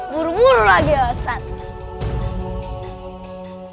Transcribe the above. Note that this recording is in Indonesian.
buru buru lagi ustadz